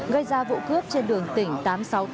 gây ra vụ cướp trên đường tỉnh tám trăm sáu mươi tám